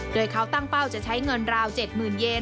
โดยเขาตั้งเป้าจะใช้เงินราว๗๐๐เยน